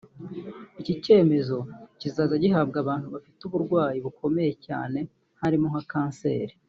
Iki cyemezo kikazajya gihabwa abantu bafite uburwayi bukomeye cyane harimo nka Canceri